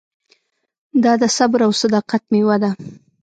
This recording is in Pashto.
دا د صبر او صداقت مېوه ده.